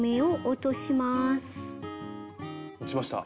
落ちました。